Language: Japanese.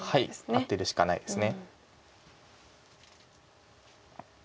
アテるしかないです。